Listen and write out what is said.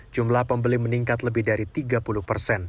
jumlah pembeli meningkat lebih dari tiga puluh persen